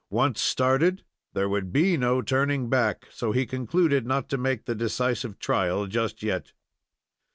Once started, there would be no turning back, so he concluded not to make the decisive trial just yet.